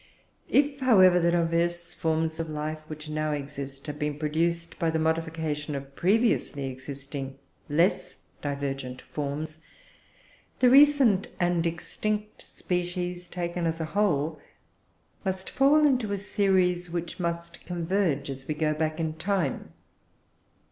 If, however, the diverse forms of life which now exist have been produced by the modification of previously existing less divergent forms, the recent and extinct species, taken as a whole, must fall into series which must converge as we go back in time.